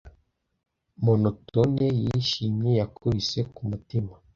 Monotone yishimye yakubise kumutima